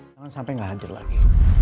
jangan sampai nggak hadir lagi